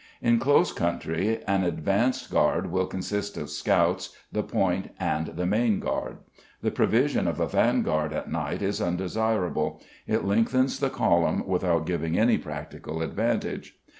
In close country an advanced guard will consist of scouts, the point, and the main guard. The provision of a vanguard at night is undesirable—it lengthens the column without giving any practical advantage.